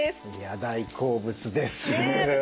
大好物です。